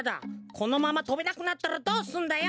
このままとべなくなったらどうすんだよ。